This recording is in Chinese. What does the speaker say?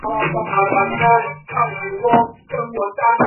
亦会出现某些动物作出帮助。